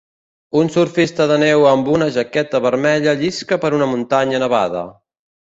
Un surfista de neu amb una jaqueta vermella llisca per una muntanya nevada.